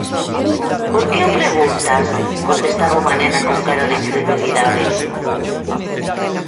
"Por que o preguntas?", contestaba unha nena con cara de incredulidade.